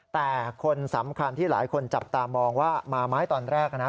แต่คนสำคัญที่หลายคนจับตามองว่ามาไม้ตอนแรกนะ